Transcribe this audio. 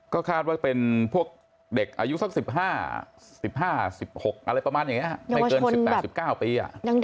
ก็คาดว่าเป็นพวกเด็กอายุซัก๑๕มีจะประมาณแบบ๑๙ปี